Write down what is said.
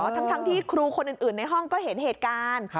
ทั้งที่ครูคนอื่นในห้องก็เห็นเหตุการณ์